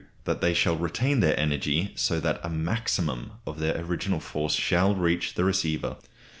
That they shall retain their energy, so that a maximum of their original force shall reach the receiver.